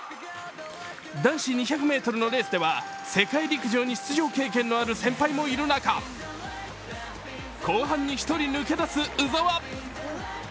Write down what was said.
男子２００ｍのレースでは世界陸上に出場経験のある先輩もいる中、後半に１人抜け出す鵜澤。